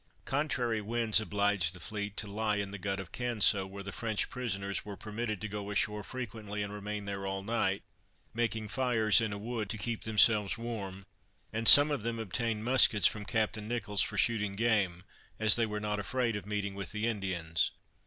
Contrary winds obliged the fleet to lie in the Gut of Canso, where the French prisoners were permitted to go ashore frequently, and remain there all night, making fires in a wood to keep themselves warm, and some of them obtained muskets from Captain Nicholls for shooting game, as they were not afraid of meeting with the Indians.